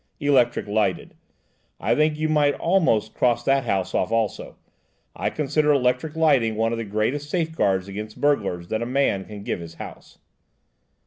"Electric lighted. I think you might almost cross that house off also. I consider electric lighting one of the greatest safeguards against burglars that a man can give his house."